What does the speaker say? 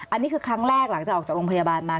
อันนี้คือครั้งแรกหลังจากออกจากโรงพยาบาลมา